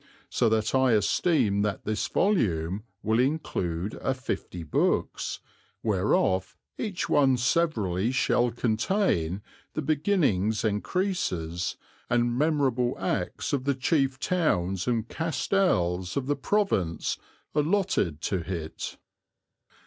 So that I esteme that this Volume will include a fiftie Bookes, wherof each one severally shaul conteyne the Beginninges Encreaces, and memorable Actes of the chief Tounes and Castelles of the Province allottid to hit."